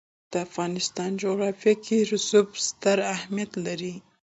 د افغانستان جغرافیه کې رسوب ستر اهمیت لري.